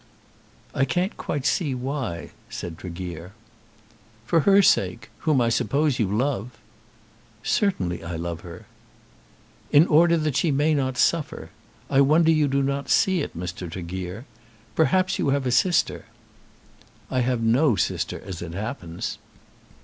"I can't quite see why," said Tregear. "For her sake, whom I suppose you love." "Certainly I love her." "In order that she may not suffer. I wonder you do not see it, Mr. Tregear. Perhaps you have a sister." "I have no sister as it happens."